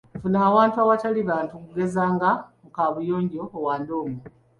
Funa awantu awatali bantu okugeza nga mu kaabuyonjo owande omwo.